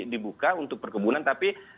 dibuka untuk perkebunan tapi